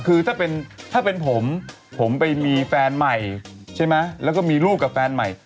คือถ้าเป็นผมผมไปมีแฟนใหม่ใช่ไหมแล้วก็มีลูกกับแฟนใหม่